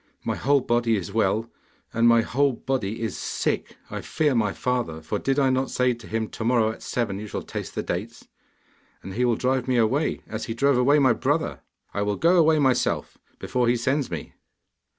My whole body is well, and my whole body is sick I fear my father, for did I not say to him, "To morrow at seven you shall taste the dates"? And he will drive me away, as he drove away my brother! I will go away myself, before he sends me.